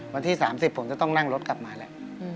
วันที่๓๐ผมจะต้องนั่งรถกลับมาแล้ว